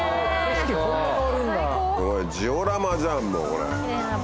すごいジオラマじゃんもうこれ。